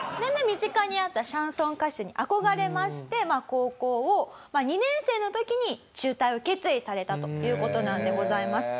身近にあったシャンソン歌手に憧れまして高校を２年生の時に中退を決意されたという事なんでございます。